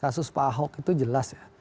kasus pak ahok itu jelas ya